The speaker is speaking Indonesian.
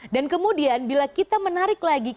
dan kemudian bila kita menarik lagi